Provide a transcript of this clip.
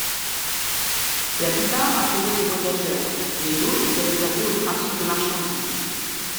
La plupart accueillaient des voyageurs, mais d'autres étaient réservées au trafic des marchandises.